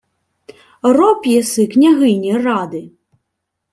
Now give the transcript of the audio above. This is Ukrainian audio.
— Роб єси княгині Ради?